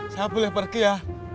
saya bisa pergi ya